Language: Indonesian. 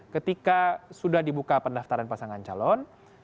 ketika sudah dibuka pendaftaran pasangan calon